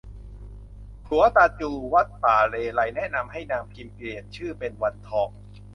ขรัวตาจู วัดป่าเลไลย แนะนำให้นางพิมเปลี่ยนชื่อเป็นวันทอง